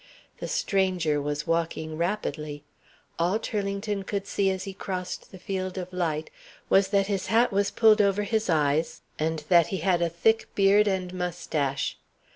The stranger was walking rapidly. All Turlington could see as he crossed the field of light was, that his hat was pulled over his eyes, and that he had a thick beard and mustache.